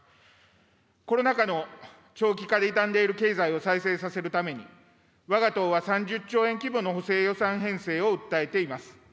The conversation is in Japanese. コロナ禍の長期化で痛んでいる経済を再生させるために、わが党は３０兆円規模の補正予算編成を訴えています。